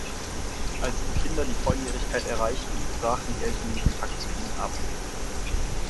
Als die Kinder die Volljährigkeit erreichten, brachen die Eltern den Kontakt zu ihnen ab.